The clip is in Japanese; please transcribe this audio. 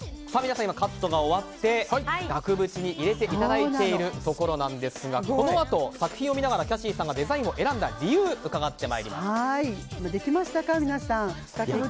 皆さん、カットが終わって額縁に入れていただいているところですがこのあと作品を見ながらキャシーさんがデザインを選んだ理由を伺ってまいります。